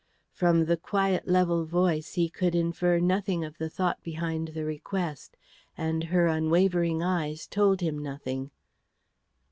From the quiet, level voice he could infer nothing of the thought behind the request; and her unwavering eyes told him nothing.